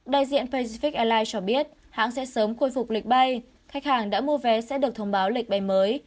đại diện pacific airlines cho biết hãng sẽ sớm khôi phục lịch bay khách hàng đã mua vé sẽ được thông báo lịch bay mới